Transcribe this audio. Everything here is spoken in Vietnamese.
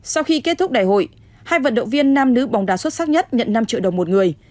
sau khi kết thúc đại hội hai vận động viên nam nữ bóng đá xuất sắc nhất nhận năm triệu đồng một người